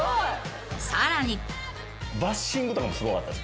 ［さらに］